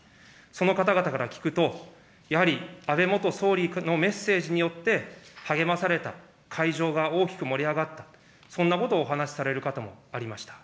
その方々から聞くと、やはり安倍元総理のメッセージによって励まされた、会場が大きく盛り上がった、そんなことをお話される方もありました。